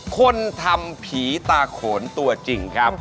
คนทำผีตาโขนตัวจริงครับ